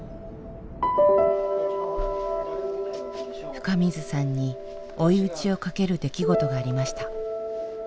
深水さんに追い打ちをかける出来事がありました。